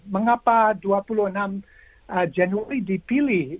mengapa dua puluh enam januari dipilih